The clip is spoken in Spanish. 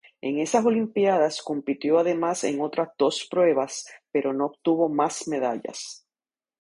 En esas Olimpiadas, compitió además en otras dos pruebas, pero no obtuvo más medallas.